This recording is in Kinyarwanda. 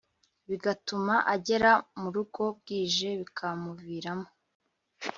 bigatuma agera murugo bwije bikamuviramo